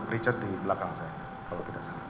richard di belakang saya